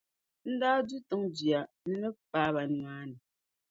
n daa du tin’ duya ni ni m paai ba nimaani.